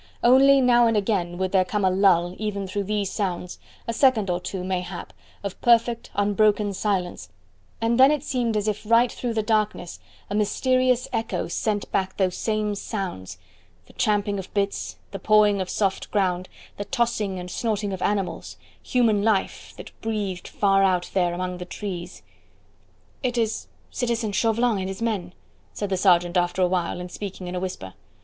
Only now and again there would come a lull even through these sounds a second or two, mayhap, of perfect, unbroken silence and then it seemed as if right through the darkness a mysterious echo sent back those same sounds the champing of bits, the pawing of soft ground, the tossing and snorting of animals, human life that breathed far out there among the trees. "It is citizen Chauvelin and his men," said the sergeant after a while, and speaking in a whisper.